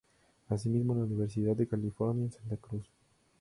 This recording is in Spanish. Asimismo en la Universidad de California en Santa Cruz.